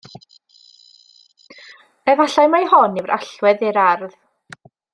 Efallai mai hon yw'r allwedd i'r ardd.